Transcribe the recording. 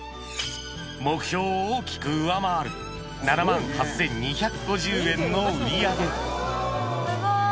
目標を大きく上回る７万８２５０円の売り上げすごい！